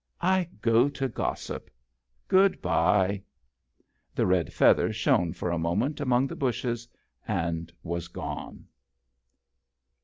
I go to gossip. Good bye." The red feather shone for a moment among the bushes and was gone.